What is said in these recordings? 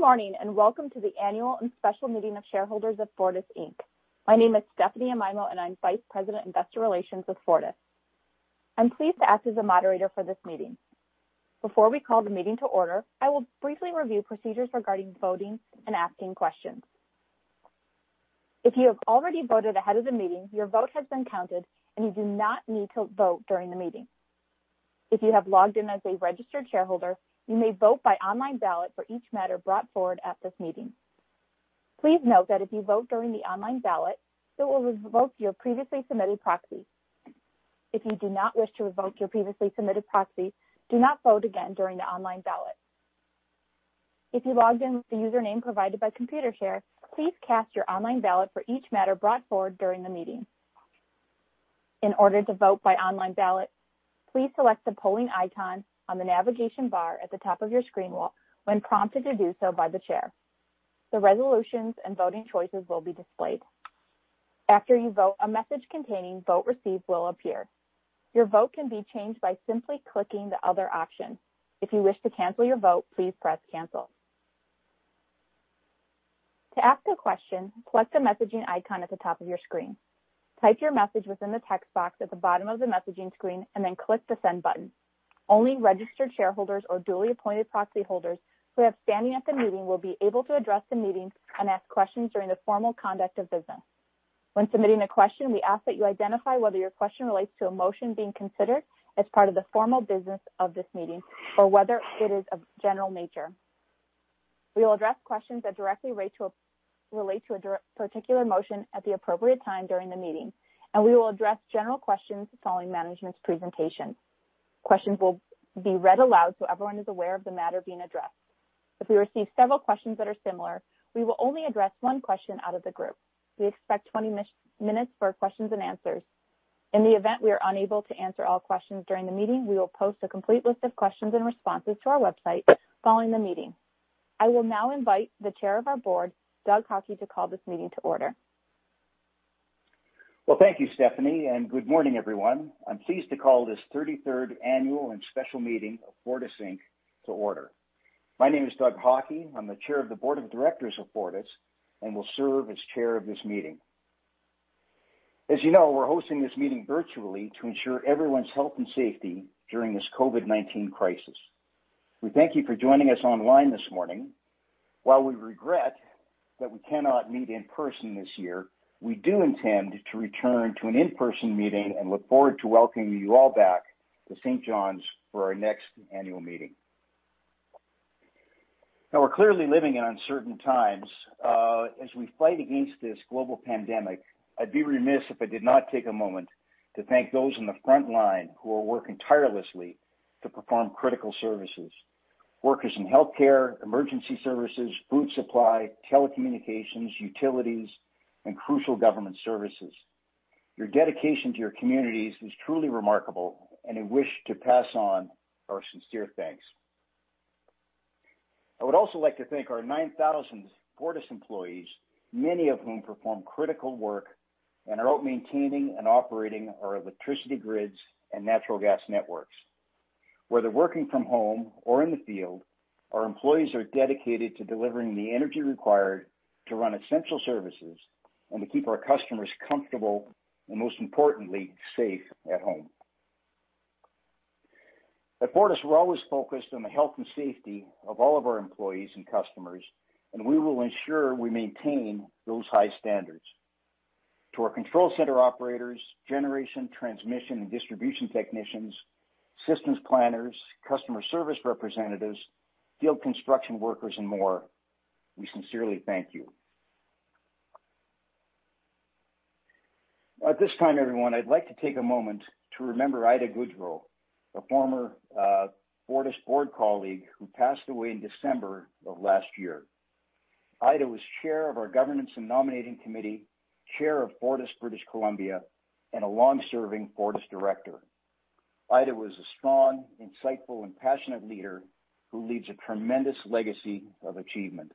Good morning, welcome to the annual and special meeting of shareholders of Fortis Inc. My name is Stephanie Amaimo, and I'm Vice President Investor Relations with Fortis. I'm pleased to act as a moderator for this meeting. Before we call the meeting to order, I will briefly review procedures regarding voting and asking questions. If you have already voted ahead of the meeting, your vote has been counted, and you do not need to vote during the meeting. If you have logged in as a registered shareholder, you may vote by online ballot for each matter brought forward at this meeting. Please note that if you vote during the online ballot, it will revoke your previously submitted proxy. If you do not wish to revoke your previously submitted proxy, do not vote again during the online ballot. If you logged in with the username provided by Computershare, please cast your online ballot for each matter brought forward during the meeting. In order to vote by online ballot, please select the polling icon on the navigation bar at the top of your screen when prompted to do so by the chair. The resolutions and voting choices will be displayed. After you vote, a message containing vote received will appear. Your vote can be changed by simply clicking the other option. If you wish to cancel your vote, please press cancel. To ask a question, select the messaging icon at the top of your screen. Type your message within the text box at the bottom of the messaging screen, and then click the send button. Only registered shareholders or duly appointed proxy holders who have standing at the meeting will be able to address the meeting and ask questions during the formal conduct of business. When submitting a question, we ask that you identify whether your question relates to a motion being considered as part of the formal business of this meeting or whether it is of general nature. We will address questions that directly relate to a particular motion at the appropriate time during the meeting, and we will address general questions following management's presentation. Questions will be read aloud so everyone is aware of the matter being addressed. If we receive several questions that are similar, we will only address one question out of the group. We expect 20 minutes for questions and answers. In the event we are unable to answer all questions during the meeting, we will post a complete list of questions and responses to our website following the meeting. I will now invite the chair of our board, Doug Haughey, to call this meeting to order. Well, thank you, Stephanie. Good morning, everyone. I'm pleased to call this 33rd annual and special meeting of Fortis Inc. to order. My name is Doug Haughey. I'm the Chair of the Board of Directors of Fortis and will serve as Chair of this meeting. As you know, we're hosting this meeting virtually to ensure everyone's health and safety during this COVID-19 crisis. We thank you for joining us online this morning. While we regret that we cannot meet in person this year, we do intend to return to an in-person meeting and look forward to welcoming you all back to St. John's for our next annual meeting. We're clearly living in uncertain times. As we fight against this global pandemic, I'd be remiss if I did not take a moment to thank those on the front line who are working tirelessly to perform critical services. Workers in healthcare, emergency services, food supply, telecommunications, utilities, and crucial government services. Your dedication to your communities is truly remarkable, and I wish to pass on our sincere thanks. I would also like to thank our 9,000 Fortis employees, many of whom perform critical work and are out maintaining and operating our electricity grids and natural gas networks. Whether working from home or in the field, our employees are dedicated to delivering the energy required to run essential services and to keep our customers comfortable and, most importantly, safe at home. At Fortis, we're always focused on the health and safety of all of our employees and customers, and we will ensure we maintain those high standards. To our control center operators, generation, transmission, and distribution technicians, systems planners, customer service representatives, field construction workers, and more, we sincerely thank you. At this time, everyone, I'd like to take a moment to remember Ida Goodreau, a former Fortis board colleague who passed away in December of last year. Ida was Chair of our Governance and Nominating Committee, Chair of Fortis British Columbia, and a long-serving Fortis director. Ida was a strong, insightful, and passionate leader who leaves a tremendous legacy of achievement.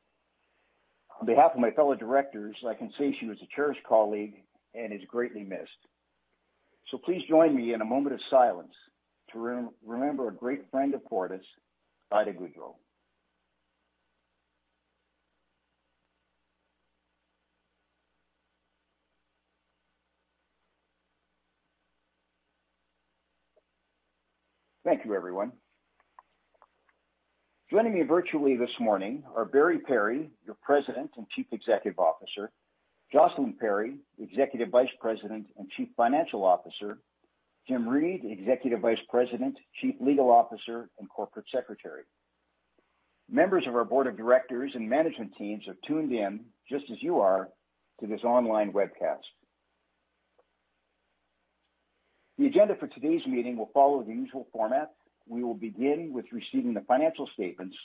On behalf of my fellow directors, I can say she was a cherished colleague and is greatly missed. Please join me in a moment of silence to remember a great friend of Fortis, Ida Goodreau. Thank you, everyone. Joining me virtually this morning are Barry Perry, your President and Chief Executive Officer. Jocelyn Perry, Executive Vice President and Chief Financial Officer. Jim Reid, Executive Vice President, Chief Legal Officer, and Corporate Secretary. Members of our board of directors and management teams have tuned in, just as you are, to this online webcast. The agenda for today's meeting will follow the usual format. We will begin with receiving the financial statements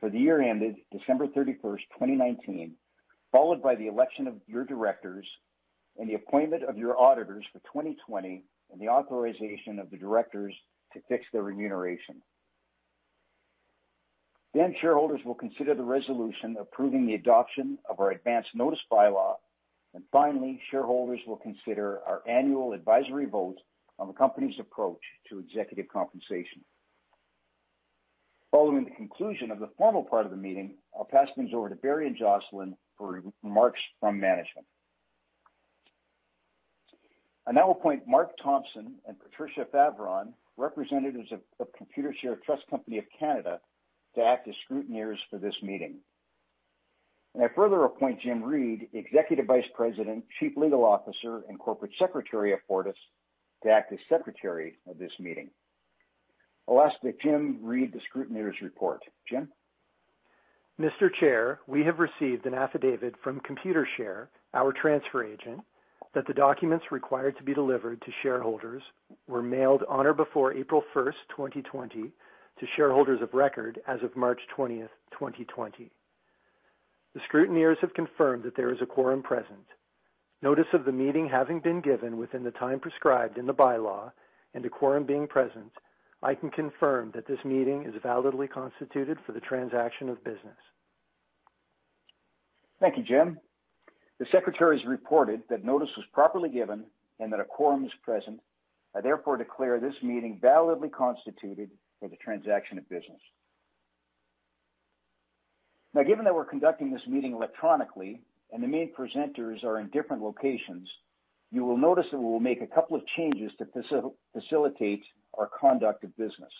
for the year ended December 31st, 2019, followed by the election of your directors and the appointment of your auditors for 2020 and the authorization of the directors to fix their remuneration. Shareholders will consider the resolution approving the adoption of our Advance Notice Bylaw. Finally, shareholders will consider our annual advisory vote on the company's approach to executive compensation. Following the conclusion of the formal part of the meeting, I'll pass things over to Barry and Jocelyn for remarks from management. I now appoint Mark Thompson and Patricia Favron, representatives of Computershare Trust Company of Canada, to act as scrutineers for this meeting. I further appoint Jim Reid, Executive Vice President, Chief Legal Officer, and Corporate Secretary of Fortis, to act as secretary of this meeting. I'll ask that Jim read the scrutineer's report. Jim? Mr. Chair, we have received an affidavit from Computershare, our transfer agent, that the documents required to be delivered to shareholders were mailed on or before April 1st, 2020, to shareholders of record as of March 20th, 2020. The scrutineers have confirmed that there is a quorum present. Notice of the meeting having been given within the time prescribed in the bylaw and a quorum being present, I can confirm that this meeting is validly constituted for the transaction of business. Thank you, Jim. The secretary has reported that notice was properly given and that a quorum is present. I therefore declare this meeting validly constituted for the transaction of business. Given that we're conducting this meeting electronically and the main presenters are in different locations, you will notice that we will make a couple of changes to facilitate our conduct of business.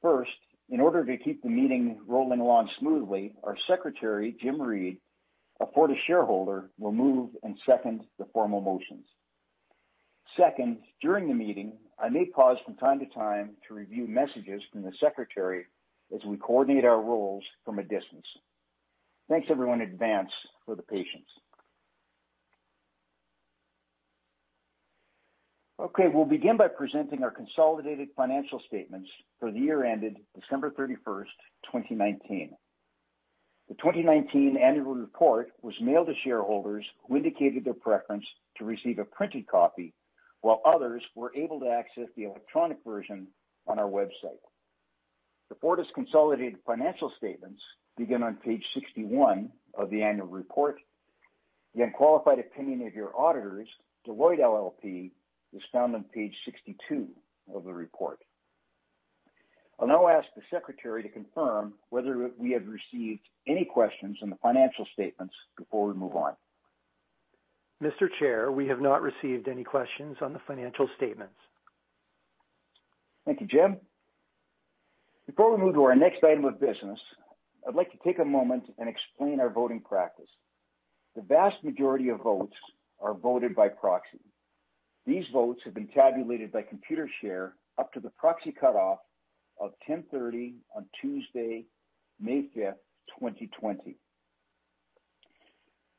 First, in order to keep the meeting rolling along smoothly, our secretary, Jim Reid, a Fortis shareholder, will move and second the formal motions. Second, during the meeting, I may pause from time to time to review messages from the secretary as we coordinate our roles from a distance. Thanks everyone in advance for the patience. Okay. We'll begin by presenting our consolidated financial statements for the year ended December 31st, 2019. The 2019 annual report was mailed to shareholders who indicated their preference to receive a printed copy, while others were able to access the electronic version on our website. The Fortis consolidated financial statements begin on page 61 of the annual report. The unqualified opinion of your auditors, Deloitte LLP, is found on page 62 of the report. I'll now ask the secretary to confirm whether we have received any questions on the financial statements before we move on. Mr. Chair, we have not received any questions on the financial statements. Thank you, Jim. Before we move to our next item of business, I'd like to take a moment and explain our voting practice. The vast majority of votes are voted by proxy. These votes have been tabulated by Computershare up to the proxy cutoff of 10:30 on Tuesday, May 5th, 2020.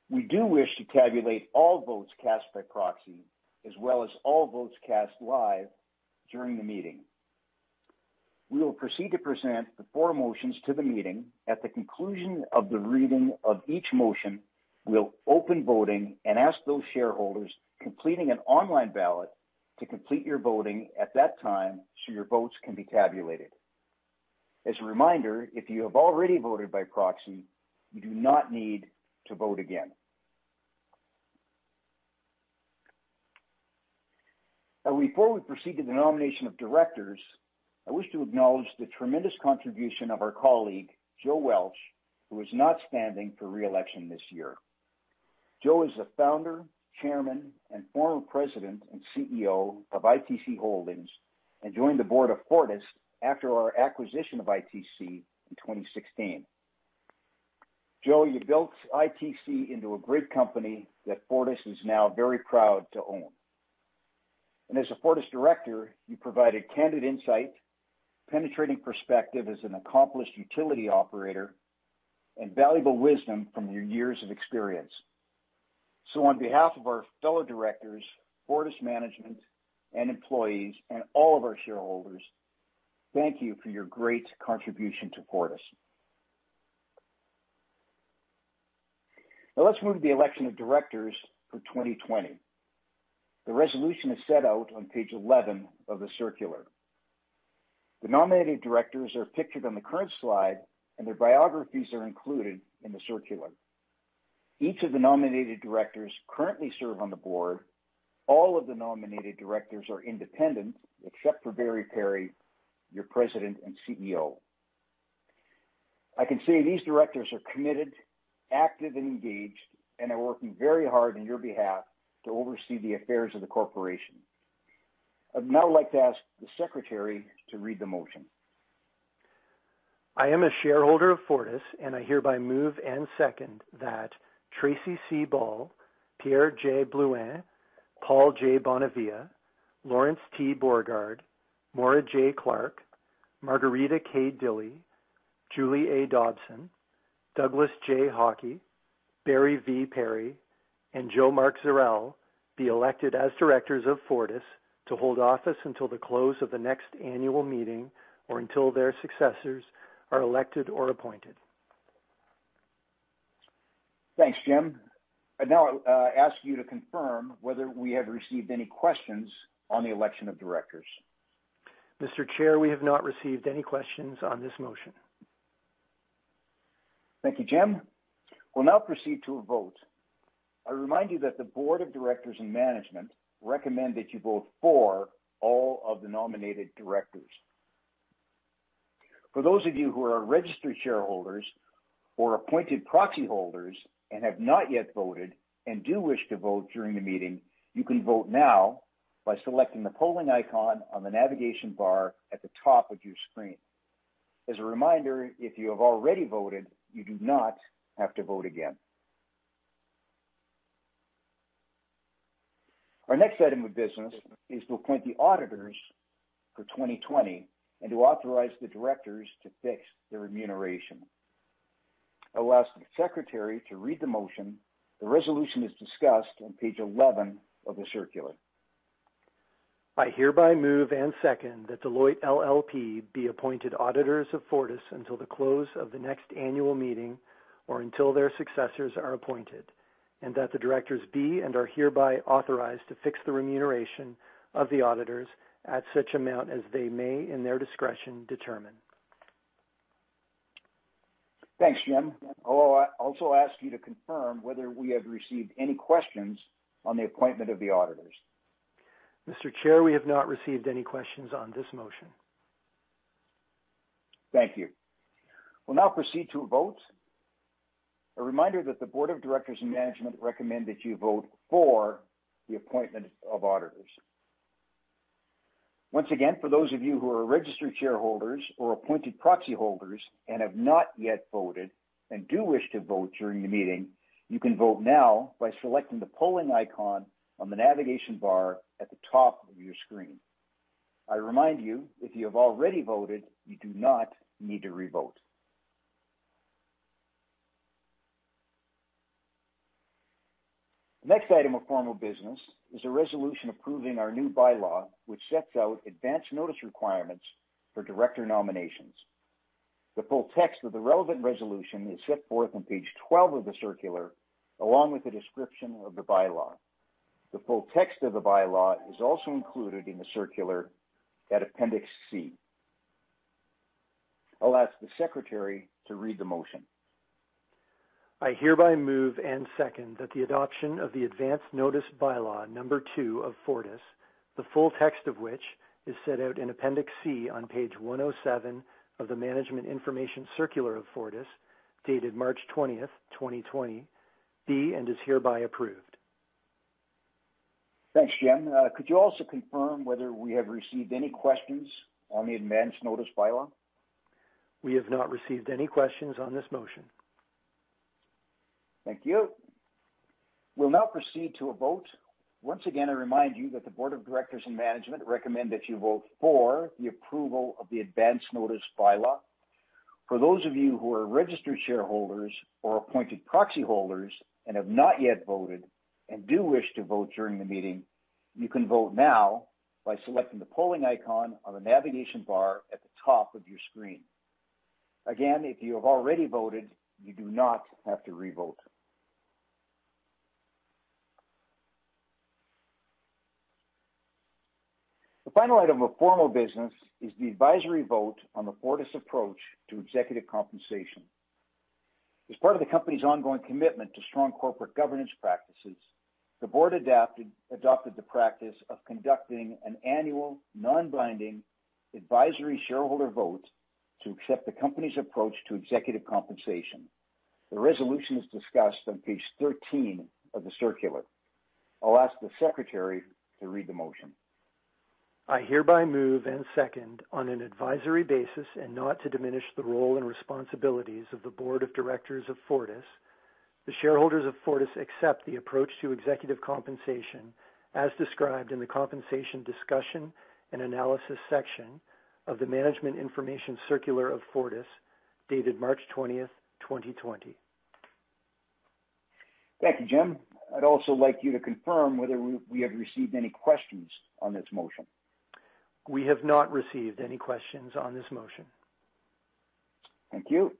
We do wish to tabulate all votes cast by proxy as well as all votes cast live during the meeting. We will proceed to present the four motions to the meeting. At the conclusion of the reading of each motion, we'll open voting and ask those shareholders completing an online ballot to complete your voting at that time so your votes can be tabulated. As a reminder, if you have already voted by proxy, you do not need to vote again. Before we proceed to the nomination of directors, I wish to acknowledge the tremendous contribution of our colleague, Joe Welch, who is not standing for re-election this year. Joe is the founder, chairman, and former president and CEO of ITC Holdings and joined the board of Fortis after our acquisition of ITC in 2016. Joe, you built ITC into a great company that Fortis is now very proud to own. As a Fortis director, you provided candid insight, penetrating perspective as an accomplished utility operator, and valuable wisdom from your years of experience. On behalf of our fellow directors, Fortis management and employees, and all of our shareholders, thank you for your great contribution to Fortis. Let's move to the election of directors for 2020. The resolution is set out on page 11 of the circular. The nominated directors are pictured on the current slide, and their biographies are included in the circular. Each of the nominated directors currently serve on the Board. All of the nominated directors are independent, except for Barry Perry, your President and CEO. I can say these directors are committed, active, and engaged, and are working very hard on your behalf to oversee the affairs of the Corporation. I'd now like to ask the Secretary to read the motion. I am a shareholder of Fortis, and I hereby move and second that Tracey C. Ball, Pierre J. Blouin, Paul J. Bonavia, Lawrence T. Borgard, Maura J. Clark, Margarita K. Dilley, Julie A. Dobson, Douglas J. Haughey, Barry V. Perry, and Jo Mark Zurel be elected as directors of Fortis to hold office until the close of the next annual meeting or until their successors are elected or appointed. Thanks, Jim. I'd now ask you to confirm whether we have received any questions on the election of directors. Mr. Chair, we have not received any questions on this motion. Thank you, Jim. We'll now proceed to a vote. I remind you that the Board of Directors and management recommend that you vote for all of the nominated directors. For those of you who are registered shareholders or appointed proxy holders and have not yet voted and do wish to vote during the meeting, you can vote now by selecting the polling icon on the navigation bar at the top of your screen. As a reminder, if you have already voted, you do not have to vote again. Our next item of business is to appoint the auditors for 2020 and to authorize the directors to fix their remuneration. I'll ask the secretary to read the motion. The resolution is discussed on page 11 of the circular. I hereby move and second that Deloitte LLP be appointed auditors of Fortis until the close of the next annual meeting or until their successors are appointed, and that the directors be and are hereby authorized to fix the remuneration of the auditors at such amount as they may, in their discretion, determine. Thanks, Jim. I'll also ask you to confirm whether we have received any questions on the appointment of the auditors. Mr. Chair, we have not received any questions on this motion. Thank you. We'll now proceed to a vote. A reminder that the board of directors and management recommend that you vote for the appointment of auditors. Once again, for those of you who are registered shareholders or appointed proxy holders and have not yet voted and do wish to vote during the meeting, you can vote now by selecting the polling icon on the navigation bar at the top of your screen. I remind you, if you have already voted, you do not need to re-vote. The next item of formal business is a resolution approving our new Bylaw, which sets out advance notice requirements for director nominations. The full text of the relevant resolution is set forth on page 12 of the circular, along with a description of the Bylaw. The full text of the Bylaw is also included in the circular at Appendix C. I'll ask the secretary to read the motion. I hereby move and second that the adoption of the Advance Notice Bylaw number two of Fortis, the full text of which is set out in Appendix C on page 107 of the Management Information Circular of Fortis, dated March 20th, 2020, be and is hereby approved. Thanks, Jim. Could you also confirm whether we have received any questions on the Advance Notice Bylaw? We have not received any questions on this motion. Thank you. We'll now proceed to a vote. Once again, I remind you that the board of directors and management recommend that you vote for the approval of the Advance Notice Bylaw. For those of you who are registered shareholders or appointed proxy holders and have not yet voted and do wish to vote during the meeting, you can vote now by selecting the polling icon on the navigation bar at the top of your screen. Again, if you have already voted, you do not have to re-vote. The final item of formal business is the advisory vote on the Fortis approach to executive compensation. As part of the company's ongoing commitment to strong corporate governance practices, the board adopted the practice of conducting an annual non-binding advisory shareholder vote to accept the company's approach to executive compensation. The resolution is discussed on page 13 of the Circular. I'll ask the secretary to read the motion. I hereby move and second on an advisory basis and not to diminish the role and responsibilities of the board of directors of Fortis, the shareholders of Fortis accept the approach to executive compensation as described in the compensation discussion and analysis section of the Management Information Circular of Fortis, dated March 20th, 2020. Thank you, Jim. I'd also like you to confirm whether we have received any questions on this motion. We have not received any questions on this motion. Thank you.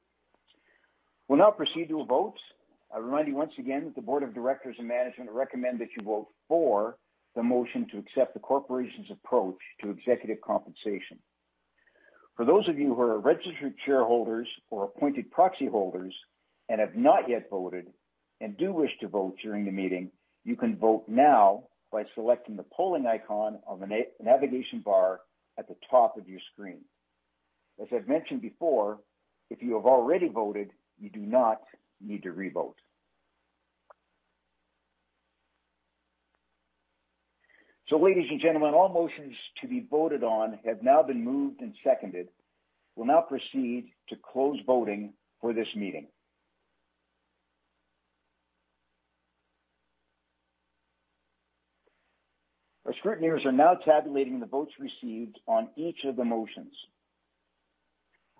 We'll now proceed to a vote. I remind you once again that the board of directors and management recommend that you vote for the motion to accept the corporation's approach to executive compensation. For those of you who are registered shareholders or appointed proxy holders and have not yet voted and do wish to vote during the meeting, you can vote now by selecting the polling icon on the navigation bar at the top of your screen. As I've mentioned before, if you have already voted, you do not need to re-vote. Ladies and gentlemen, all motions to be voted on have now been moved and seconded. We'll now proceed to close voting for this meeting. Our scrutineers are now tabulating the votes received on each of the motions.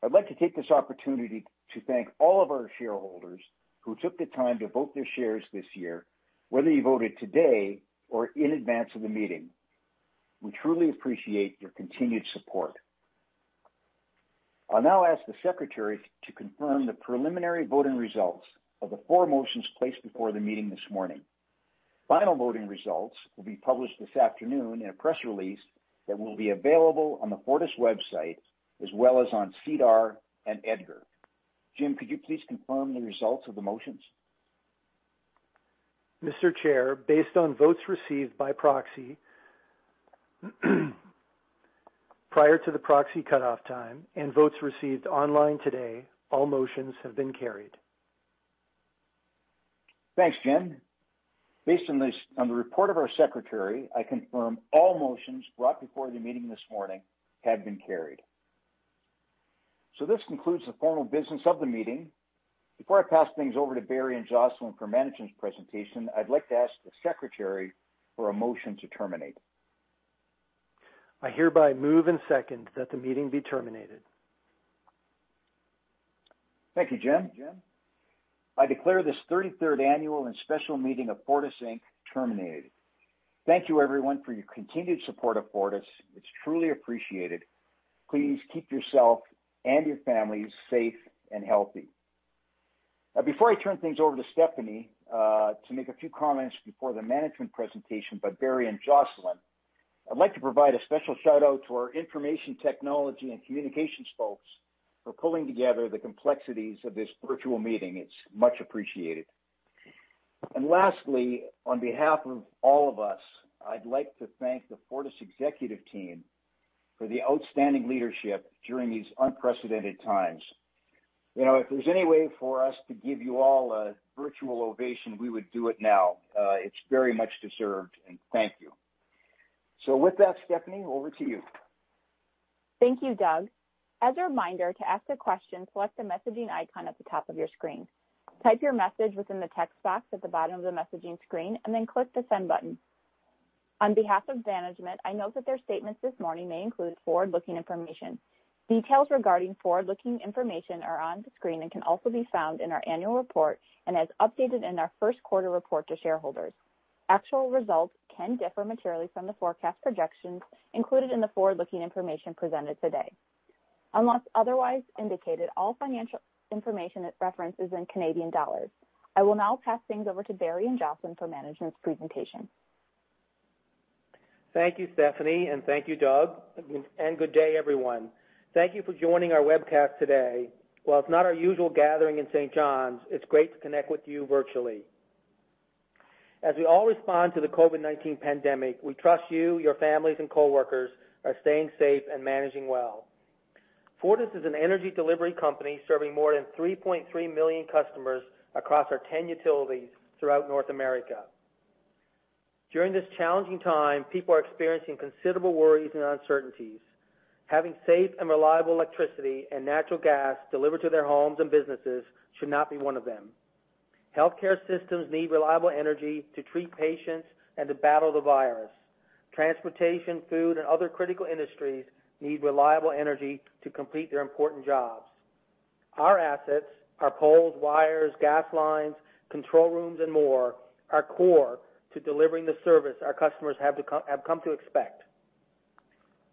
I'd like to take this opportunity to thank all of our shareholders who took the time to vote their shares this year, whether you voted today or in advance of the meeting. We truly appreciate your continued support. I'll now ask the secretary to confirm the preliminary voting results of the four motions placed before the meeting this morning. Final voting results will be published this afternoon in a press release that will be available on the Fortis website, as well as on SEDAR and EDGAR. Jim, could you please confirm the results of the motions? Mr. Chair, based on votes received by proxy, prior to the proxy cutoff time and votes received online today, all motions have been carried. Thanks, Jim. Based on the report of our secretary, I confirm all motions brought before the meeting this morning have been carried. This concludes the formal business of the meeting. Before I pass things over to Barry and Jocelyn for management's presentation, I'd like to ask the secretary for a motion to terminate. I hereby move and second that the meeting be terminated. Thank you, Jim. I declare this 33rd annual and special meeting of Fortis Inc. terminated. Thank you everyone for your continued support of Fortis. It's truly appreciated. Please keep yourself and your families safe and healthy. Before I turn things over to Stephanie to make a few comments before the management presentation by Barry and Jocelyn, I'd like to provide a special shout-out to our information technology and communications folks for pulling together the complexities of this virtual meeting. It's much appreciated. Lastly, on behalf of all of us, I'd like to thank the Fortis executive team for the outstanding leadership during these unprecedented times. If there's any way for us to give you all a virtual ovation, we would do it now. It's very much deserved, thank you. With that, Stephanie, over to you. Thank you, Doug. As a reminder, to ask a question, select the messaging icon at the top of your screen. Type your message within the text box at the bottom of the messaging screen, and then click the send button. On behalf of management, I note that their statements this morning may include forward-looking information. Details regarding forward-looking information are on the screen and can also be found in our annual report and as updated in our first quarter report to shareholders. Actual results can differ materially from the forecast projections included in the forward-looking information presented today. Unless otherwise indicated, all financial information it references is in Canadian dollars. I will now pass things over to Barry and Jocelyn for management's presentation. Thank you, Stephanie, and thank you, Doug, and good day, everyone. Thank you for joining our webcast today. While it's not our usual gathering in St. John's, it's great to connect with you virtually. As we all respond to the COVID-19 pandemic, we trust you, your families, and coworkers are staying safe and managing well. Fortis is an energy delivery company serving more than 3.3 million customers across our 10 utilities throughout North America. During this challenging time, people are experiencing considerable worries and uncertainties. Having safe and reliable electricity and natural gas delivered to their homes and businesses should not be one of them. Healthcare systems need reliable energy to treat patients and to battle the virus. Transportation, food, and other critical industries need reliable energy to complete their important jobs. Our assets, our poles, wires, gas lines, control rooms, and more, are core to delivering the service our customers have come to expect.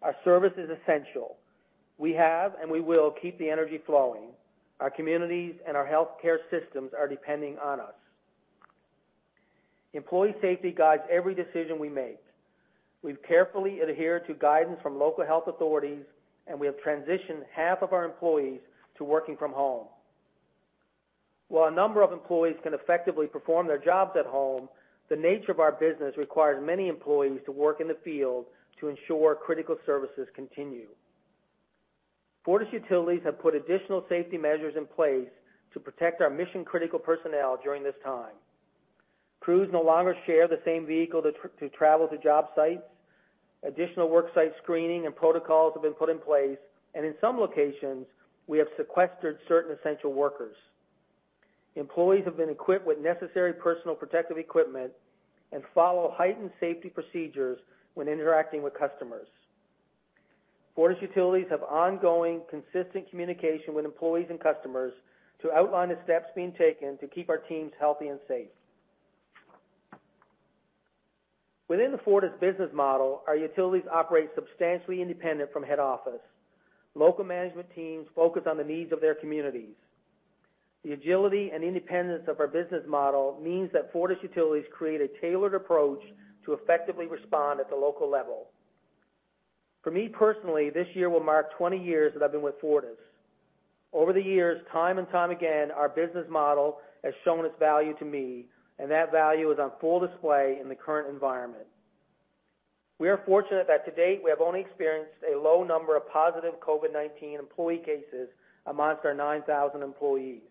Our service is essential. We have, and we will, keep the energy flowing. Our communities and our healthcare systems are depending on us. Employee safety guides every decision we make. We've carefully adhered to guidance from local health authorities, and we have transitioned half of our employees to working from home. While a number of employees can effectively perform their jobs at home, the nature of our business requires many employees to work in the field to ensure critical services continue. Fortis utilities have put additional safety measures in place to protect our mission-critical personnel during this time. Crews no longer share the same vehicle to travel to job sites. Additional work site screening and protocols have been put in place. In some locations, we have sequestered certain essential workers. Employees have been equipped with necessary personal protective equipment and follow heightened safety procedures when interacting with customers. Fortis utilities have ongoing, consistent communication with employees and customers to outline the steps being taken to keep our teams healthy and safe. Within the Fortis business model, our utilities operate substantially independent from head office. Local management teams focus on the needs of their communities. The agility and independence of our business model means that Fortis utilities create a tailored approach to effectively respond at the local level. For me personally, this year will mark 20 years that I've been with Fortis. Over the years, time and time again, our business model has shown its value to me, and that value is on full display in the current environment. We are fortunate that to date, we have only experienced a low number of positive COVID-19 employee cases amongst our 9,000 employees.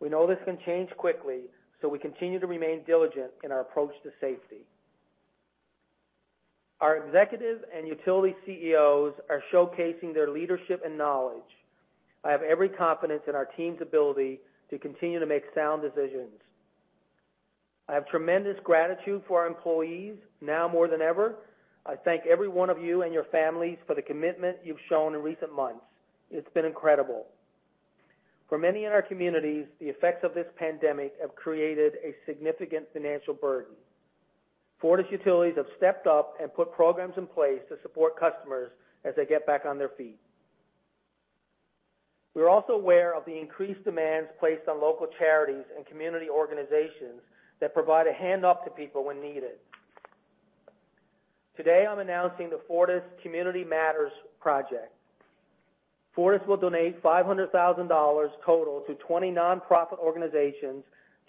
We know this can change quickly, we continue to remain diligent in our approach to safety. Our executive and utility CEOs are showcasing their leadership and knowledge. I have every confidence in our team's ability to continue to make sound decisions. I have tremendous gratitude for our employees now more than ever. I thank every one of you and your families for the commitment you've shown in recent months. It's been incredible. For many in our communities, the effects of this pandemic have created a significant financial burden. Fortis utilities have stepped up and put programs in place to support customers as they get back on their feet. We are also aware of the increased demands placed on local charities and community organizations that provide a hand up to people when needed. Today, I'm announcing the Fortis Community Matters project. Fortis will donate 500,000 dollars total to 20 non-profit organizations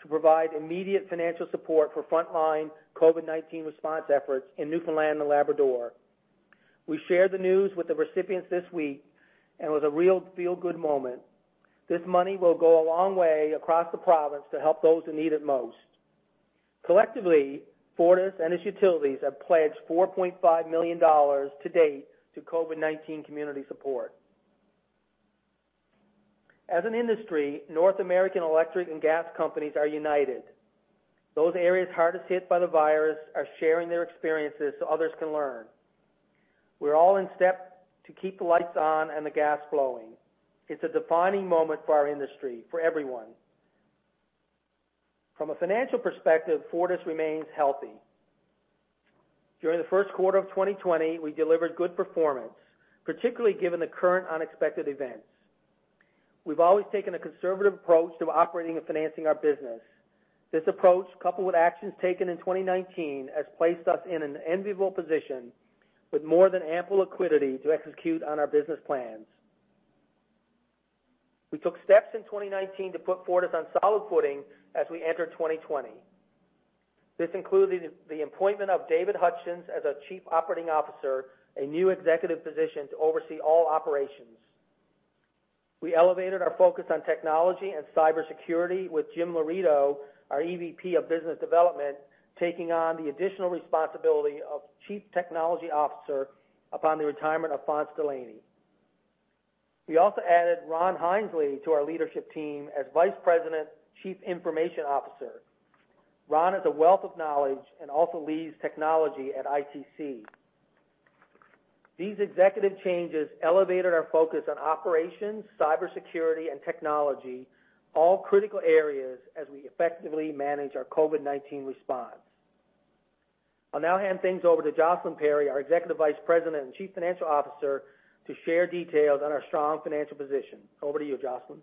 to provide immediate financial support for frontline COVID-19 response efforts in Newfoundland and Labrador. We shared the news with the recipients this week, and it was a real feel-good moment. This money will go a long way across the province to help those who need it most. Collectively, Fortis and its utilities have pledged 4.5 million dollars to date to COVID-19 community support. As an industry, North American electric and gas companies are united. Those areas hardest hit by the virus are sharing their experiences so others can learn. We're all in step to keep the lights on and the gas flowing. It's a defining moment for our industry, for everyone. From a financial perspective, Fortis remains healthy. During the first quarter of 2020, we delivered good performance, particularly given the current unexpected events. We've always taken a conservative approach to operating and financing our business. This approach, coupled with actions taken in 2019, has placed us in an enviable position with more than ample liquidity to execute on our business plans. We took steps in 2019 to put Fortis on solid footing as we entered 2020. This included the appointment of David Hutchens as our Chief Operating Officer, a new executive position to oversee all operations. We elevated our focus on technology and cybersecurity with Jim Laurito, our EVP of Business Development, taking on the additional responsibility of Chief Technology Officer upon the retirement of Phonse Delaney. We also added Ron Hinsley to our leadership team as Vice President and Chief Information Officer. Ron has a wealth of knowledge and also leads technology at ITC. These executive changes elevated our focus on operations, cybersecurity, and technology, all critical areas as we effectively manage our COVID-19 response. I'll now hand things over to Jocelyn Perry, our Executive Vice President and Chief Financial Officer, to share details on our strong financial position. Over to you, Jocelyn.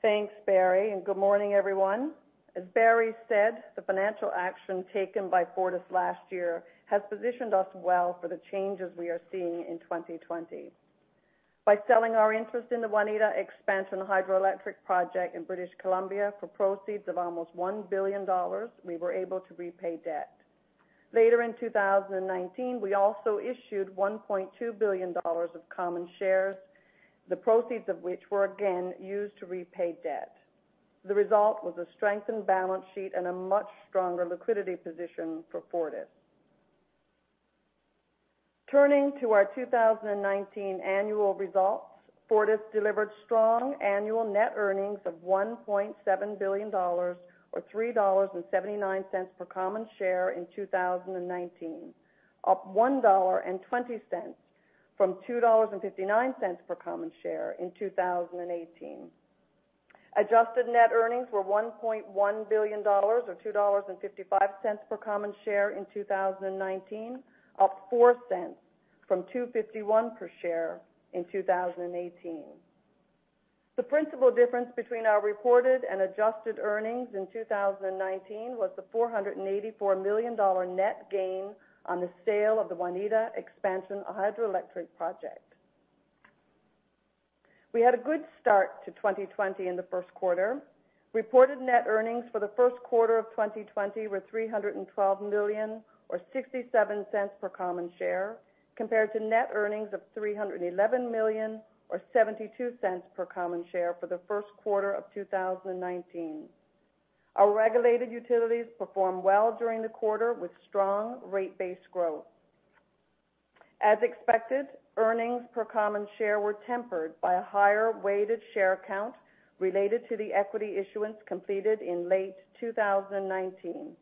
Thanks, Barry. Good morning, everyone. As Barry said, the financial action taken by Fortis last year has positioned us well for the changes we are seeing in 2020. By selling our interest in the Waneta Expansion Hydroelectric Project in British Columbia for proceeds of almost 1 billion dollars, we were able to repay debt. Later in 2019, we also issued 1.2 billion dollars of common shares, the proceeds of which were again used to repay debt. The result was a strengthened balance sheet and a much stronger liquidity position for Fortis. Turning to our 2019 annual results, Fortis delivered strong annual net earnings of CAD 1.7 billion or CAD 3.79 per common share in 2019, up CAD 1.20 from CAD 2.59 per common share in 2018. Adjusted net earnings were CAD 1.1 billion or CAD 2.55 per common share in 2019, up 0.04 from 2.51 per share in 2018. The principal difference between our reported and adjusted earnings in 2019 was the 484 million dollar net gain on the sale of the Waneta Expansion Hydroelectric Project. We had a good start to 2020 in the first quarter. Reported net earnings for the first quarter of 2020 were 312 million or 0.67 per common share, compared to net earnings of 311 million or 0.72 per common share for the first quarter of 2019. Our regulated utilities performed well during the quarter with strong rate-based growth. As expected, earnings per common share were tempered by a higher weighted share count related to the equity issuance completed in late 2019.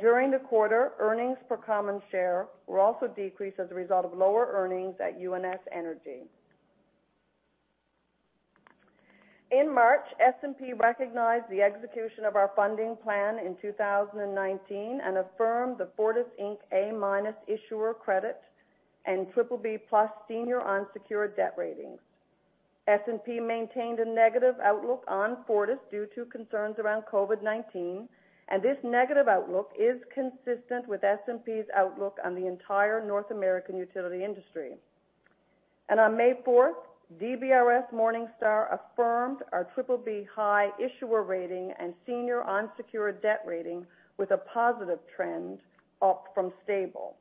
During the quarter, earnings per common share were also decreased as a result of lower earnings at UNS Energy. In March, S&P recognized the execution of our funding plan in 2019 and affirmed the Fortis Inc. A- issuer credit and BBB+ senior unsecured debt ratings. S&P maintained a negative outlook on Fortis due to concerns around COVID-19. This negative outlook is consistent with S&P's outlook on the entire North American utility industry. On May 4th, DBRS Morningstar affirmed our BBB (high) issuer rating and senior unsecured debt rating with a positive trend up from stable.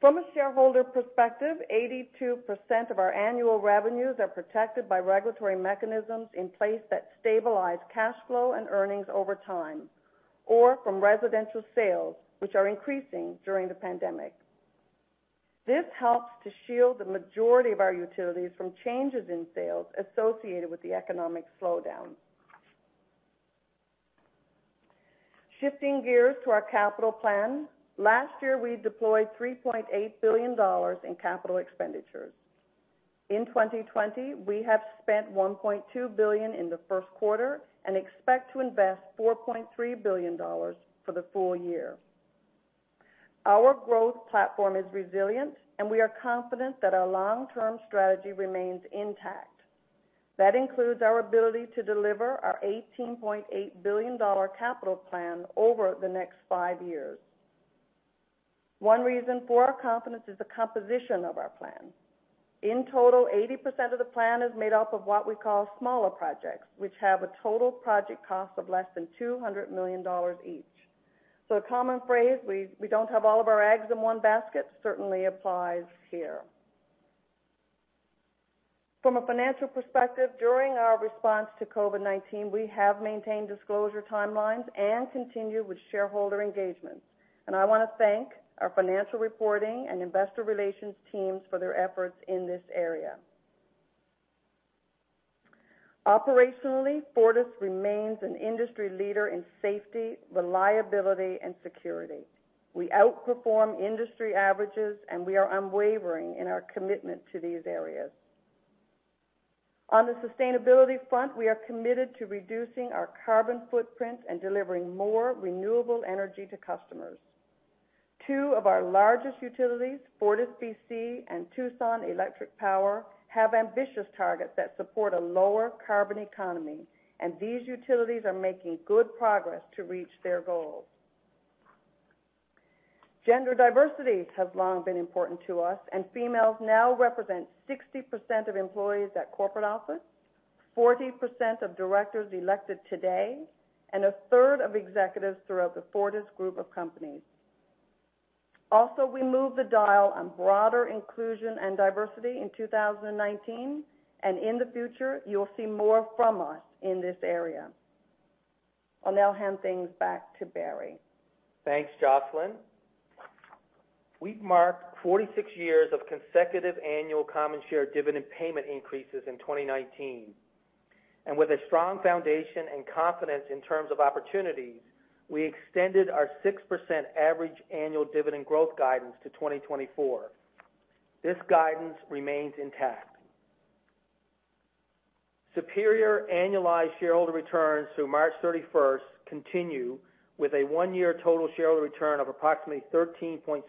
From a shareholder perspective, 82% of our annual revenues are protected by regulatory mechanisms in place that stabilize cash flow and earnings over time, or from residential sales, which are increasing during the pandemic. This helps to shield the majority of our utilities from changes in sales associated with the economic slowdown. Shifting gears to our capital plan, last year, we deployed 3.8 billion dollars in capital expenditures. In 2020, we have spent 1.2 billion in the first quarter and expect to invest 4.3 billion dollars for the full year. Our growth platform is resilient, we are confident that our long-term strategy remains intact. That includes our ability to deliver our 18.8 billion dollar capital plan over the next five years. One reason for our confidence is the composition of our plan. In total, 80% of the plan is made up of what we call smaller projects, which have a total project cost of less than 200 million dollars each. A common phrase, we don't have all of our eggs in one basket, certainly applies here. From a financial perspective, during our response to COVID-19, we have maintained disclosure timelines and continued with shareholder engagements. I want to thank our financial reporting and investor relations teams for their efforts in this area. Operationally, Fortis remains an industry leader in safety, reliability, and security. We outperform industry averages, and we are unwavering in our commitment to these areas. On the sustainability front, we are committed to reducing our carbon footprint and delivering more renewable energy to customers. Two of our largest utilities, FortisBC and Tucson Electric Power, have ambitious targets that support a lower carbon economy, and these utilities are making good progress to reach their goals. Gender diversity has long been important to us, and females now represent 60% of employees at corporate office, 40% of directors elected today, and a third of executives throughout the Fortis group of companies. Also, we moved the dial on broader inclusion and diversity in 2019, and in the future, you will see more from us in this area. I'll now hand things back to Barry. Thanks, Jocelyn. We've marked 46 years of consecutive annual common share dividend payment increases in 2019. With a strong foundation and confidence in terms of opportunities, we extended our 6% average annual dividend growth guidance to 2024. This guidance remains intact. Superior annualized shareholder returns through March 31st continue with a one-year total shareholder return of approximately 13.6%.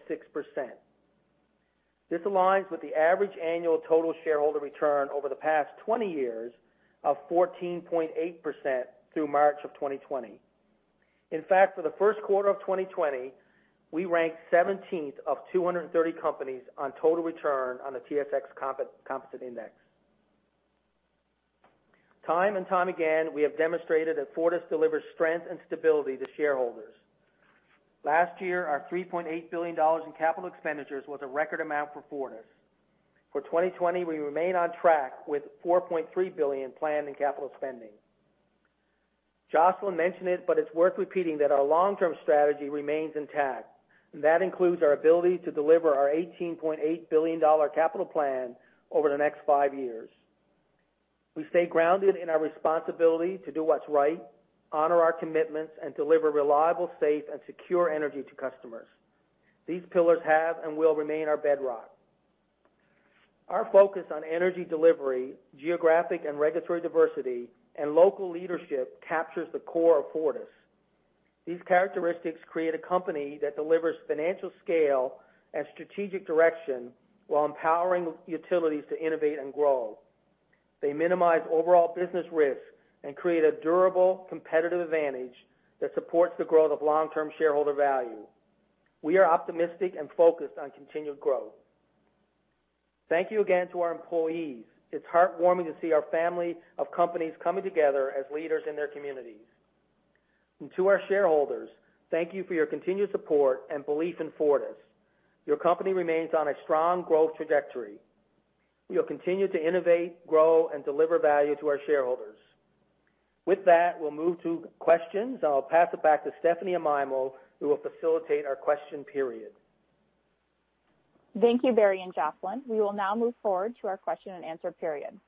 This aligns with the average annual total shareholder return over the past 20 years of 14.8% through March of 2020. In fact, for the first quarter of 2020, we ranked 17th of 230 companies on total return on the TSX Composite Index. Time and time again, we have demonstrated that Fortis delivers strength and stability to shareholders. Last year, our 3.8 billion dollars in capital expenditures was a record amount for Fortis. For 2020, we remain on track with 4.3 billion planned in capital spending. Jocelyn mentioned it, but it's worth repeating that our long-term strategy remains intact, and that includes our ability to deliver our 18.8 billion dollar capital plan over the next five years. We stay grounded in our responsibility to do what's right, honor our commitments, and deliver reliable, safe, and secure energy to customers. These pillars have and will remain our bedrock. Our focus on energy delivery, geographic and regulatory diversity, and local leadership captures the core of Fortis. These characteristics create a company that delivers financial scale and strategic direction while empowering utilities to innovate and grow. They minimize overall business risk and create a durable competitive advantage that supports the growth of long-term shareholder value. We are optimistic and focused on continued growth. Thank you again to our employees. It's heartwarming to see our family of companies coming together as leaders in their communities. To our shareholders, thank you for your continued support and belief in Fortis. Your company remains on a strong growth trajectory. We will continue to innovate, grow, and deliver value to our shareholders. With that, we'll move to questions, and I'll pass it back to Stephanie Amaimo, who will facilitate our question period. Thank you, Barry and Jocelyn. We will now move forward to our question-and-answer period.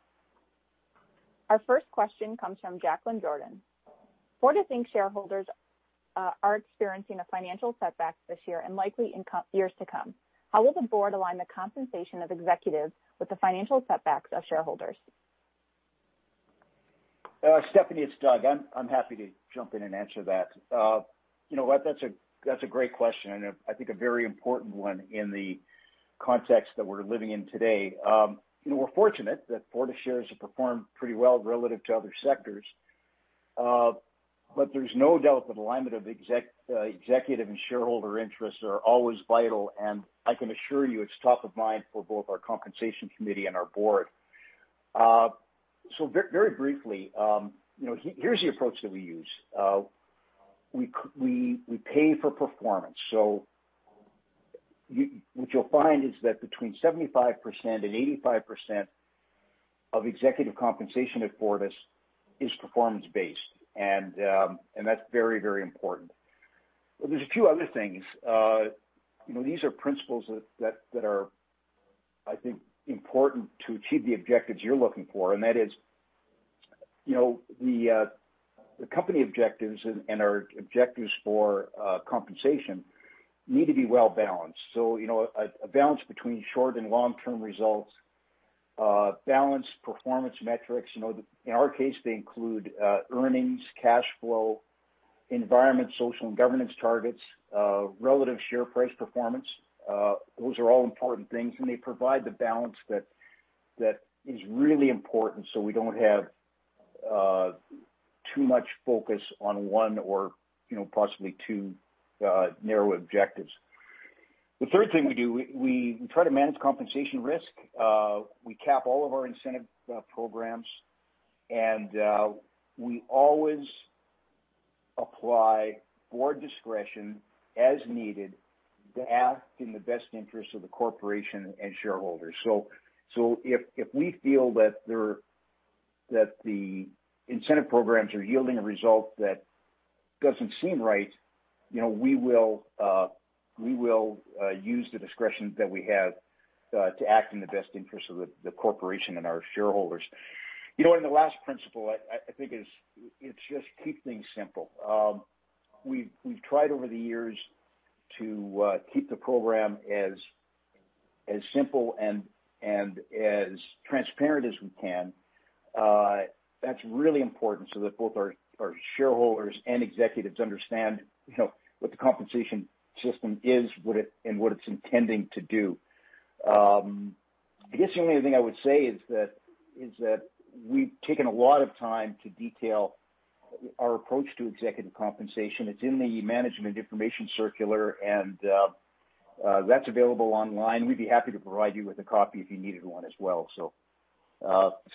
Our first question comes from Jacqueline Jordan. Fortis Inc. shareholders are experiencing a financial setback this year and likely in years to come. How will the board align the compensation of executives with the financial setbacks of shareholders? Stephanie, it's Doug. I'm happy to jump in and answer that. You know what? That's a great question, and I think a very important one in the context that we're living in today. We're fortunate that Fortis shares have performed pretty well relative to other sectors. There's no doubt that alignment of executive and shareholder interests are always vital, and I can assure you it's top of mind for both our compensation committee and our board. Very briefly, here's the approach that we use. We pay for performance. What you'll find is that between 75% and 85% of executive compensation at Fortis is performance-based, and that's very, very important. There's a few other things. These are principles that are, I think, important to achieve the objectives you're looking for, and that is the company objectives and our objectives for compensation need to be well-balanced. A balance between short- and long-term results. Balanced performance metrics. In our case, they include earnings, cash flow, environment, social and governance targets, relative share price performance. Those are all important things. They provide the balance that is really important, so we don't have too much focus on one or possibly two narrow objectives. The third thing we do, we try to manage compensation risk. We cap all of our incentive programs. We always apply board discretion as needed to act in the best interest of the corporation and shareholders. If we feel that the incentive programs are yielding a result that doesn't seem right, we will use the discretion that we have to act in the best interest of the corporation and our shareholders. The last principle, I think it's just keep things simple. We've tried over the years to keep the program as simple and as transparent as we can. That's really important so that both our shareholders and executives understand what the compensation system is and what it's intending to do. I guess the only other thing I would say is that we've taken a lot of time to detail our approach to executive compensation. It's in the Management Information Circular, and that's available online. We'd be happy to provide you with a copy if you needed one as well.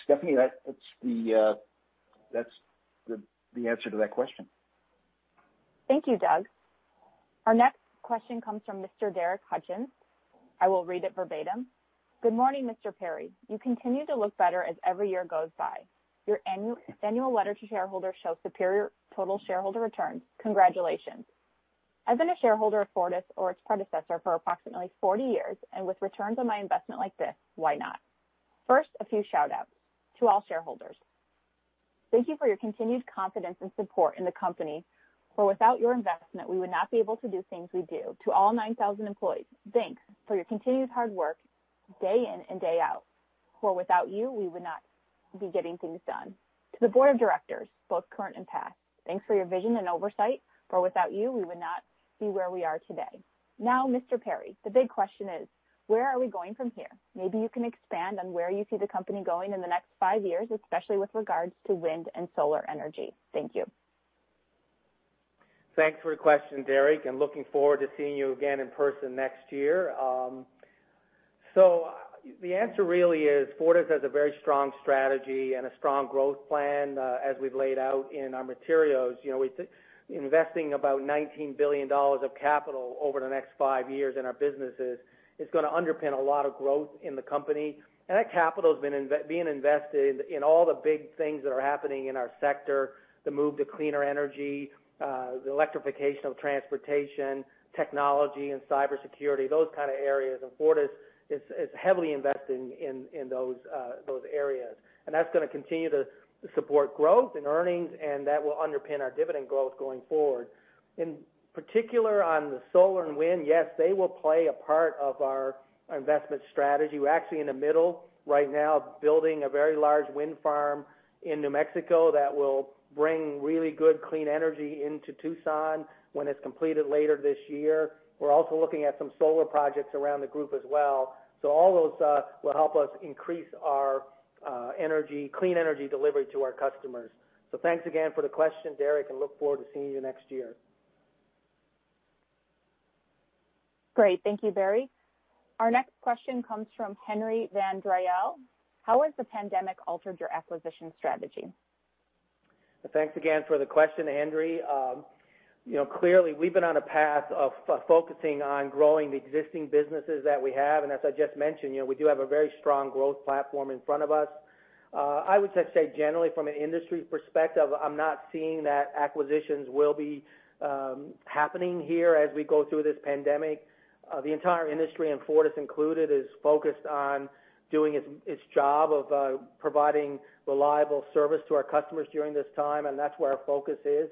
Stephanie, that's the answer to that question. Thank you, Doug. Our next question comes from Mr. Derek Hutchings. I will read it verbatim. "Good morning, Mr. Perry. You continue to look better as every year goes by. Your annual letter to shareholders shows superior total shareholder returns. Congratulations. I've been a shareholder of Fortis or its predecessor for approximately 40 years, and with returns on my investment like this, why not? First, a few shout-outs. To all shareholders, thank you for your continued confidence and support in the company, for without your investment, we would not be able to do things we do. To all 9,000 employees, thanks for your continued hard work day in and day out, for without you, we would not be getting things done. To the board of directors, both current and past, thanks for your vision and oversight, for without you, we would not be where we are today. Now, Mr. Perry, the big question is, where are we going from here? Maybe you can expand on where you see the company going in the next five years, especially with regards to wind and solar energy. Thank you. Thanks for the question, Derek. Looking forward to seeing you again in person next year. The answer really is Fortis has a very strong strategy and a strong growth plan, as we've laid out in our materials. We're investing about 19 billion dollars of capital over the next five years in our businesses. It's going to underpin a lot of growth in the company. That capital is being invested in all the big things that are happening in our sector, the move to cleaner energy, the electrification of transportation, technology, and cybersecurity, those kind of areas. Fortis is heavily investing in those areas. That's going to continue to support growth and earnings, and that will underpin our dividend growth going forward. In particular, on the solar and wind, yes, they will play a part of our investment strategy. We're actually in the middle right now of building a very large wind farm in New Mexico that will bring really good clean energy into Tucson when it's completed later this year. We're also looking at some solar projects around the group as well. All those will help us increase our clean energy delivery to our customers. Thanks again for the question, Derek, and look forward to seeing you next year. Great. Thank you, Barry. Our next question comes from Henry Van Driel. How has the pandemic altered your acquisition strategy? Thanks again for the question, Henry. Clearly, we've been on a path of focusing on growing the existing businesses that we have, and as I just mentioned, we do have a very strong growth platform in front of us. I would just say, generally, from an industry perspective, I'm not seeing that acquisitions will be happening here as we go through this pandemic. The entire industry, and Fortis included, is focused on doing its job of providing reliable service to our customers during this time, and that's where our focus is.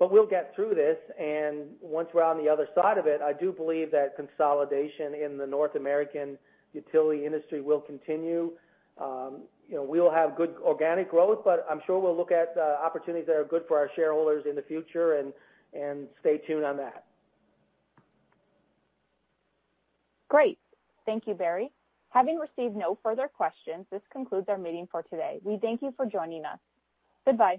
We'll get through this, and once we're on the other side of it, I do believe that consolidation in the North American utility industry will continue. We will have good organic growth, but I'm sure we'll look at opportunities that are good for our shareholders in the future, and stay tuned on that. Great. Thank you, Barry. Having received no further questions, this concludes our meeting for today. We thank you for joining us. Goodbye.